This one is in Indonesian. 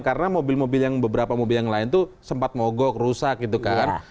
karena mobil mobil yang beberapa mobil yang lain itu sempat mogok rusak gitu kan